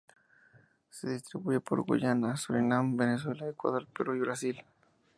Se distribuye por Guyana, Surinam, Venezuela, Ecuador, Perú y Brasil.